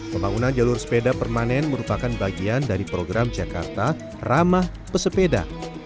pembangunan jalur sepeda permanen merupakan bagian dari program jakarta ramah pesepeda